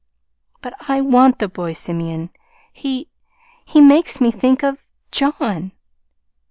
"But I want the boy, Simeon. He he makes me think of John."